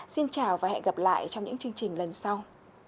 xin chào và hẹn gặp lại trong những chương trình lần sau